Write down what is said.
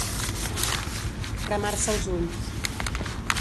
Cremar-se els ulls.